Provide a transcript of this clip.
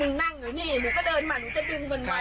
มีทะเลาะแล้วก็เรียกตำรวจมาเคลียร